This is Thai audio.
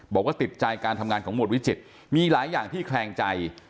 บอกว่าติดใจการทำงานของหมวดวิจิตมีหลายอย่างที่แคลงใจ